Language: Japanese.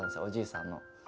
おじいさんの。